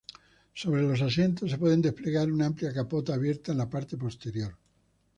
Sobre los asientos se puede desplegar una amplia capota abierta en la parte posterior.